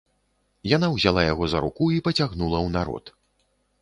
Яна ўзяла яго за руку і пацягнула ў народ.